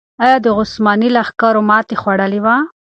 آیا د عثماني لښکرو ماتې خوړلې وه؟